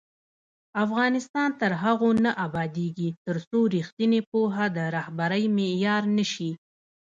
افغانستان تر هغو نه ابادیږي، ترڅو ریښتینې پوهه د رهبرۍ معیار نه شي.